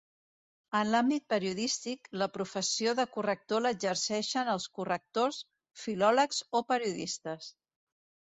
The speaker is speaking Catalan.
En l'àmbit periodístic, la professió de corrector l'exerceixen els correctors, filòlegs o periodistes.